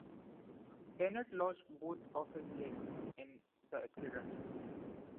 Bennett lost both of his legs in the accident.